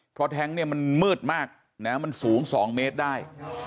เพราะแทงค์มันมืดมากแล้วมันสูง๒เมตรได้